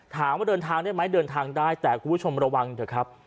ถามว่าเดินทางได้ไหมเดินทางได้แต่คุณผู้ชมระวังเถอะครับ